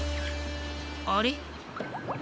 あれ？